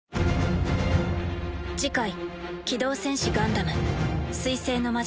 次回「機動戦士ガンダム水星の魔女」